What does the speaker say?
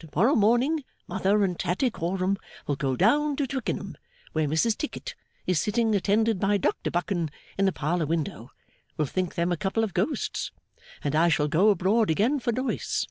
To morrow morning, Mother and Tattycoram will go down to Twickenham, where Mrs Tickit, sitting attended by Dr Buchan in the parlour window, will think them a couple of ghosts; and I shall go abroad again for Doyce.